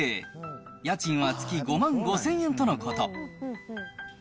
家賃は月５万５０００円とのこと。